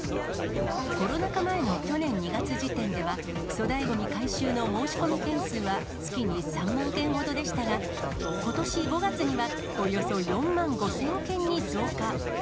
コロナ禍前の去年２月時点では、粗大ごみ回収の申し込み件数は、月に３万件ほどでしたが、ことし５月にはおよそ４万５０００件に増加。